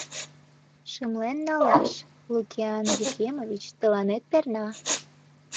Шымлен налаш, Лукиян Ефремович, тыланет перна.